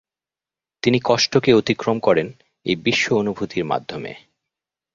তিনি কষ্টকে অতিক্রম করেন এই বিশ্ব অনুভূতির মাধ্যমে।